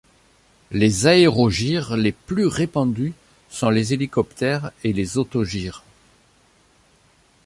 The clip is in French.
Les aérogires les plus répandus sont les hélicoptères et les autogires.